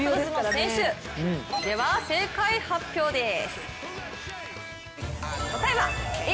では、正解発表です。